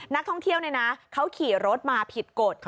นักท่องเที่ยวเขาขี่รถมาผิดกฎ